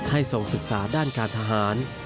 ให้ส่งศึกษาด้านการทหาร